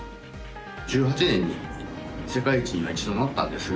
１８年に世界一に一度、なったんですが